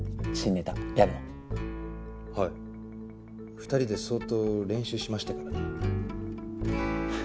２人で相当練習しましたから。